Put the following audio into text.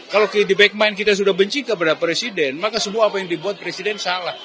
kalau di back mind kita sudah benci kepada presiden maka semua apa yang dibuat presiden salah